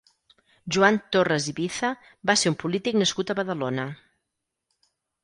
Joan Torres i Viza va ser un polític nascut a Badalona.